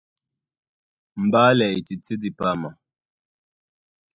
Mbálɛ e tití dipama.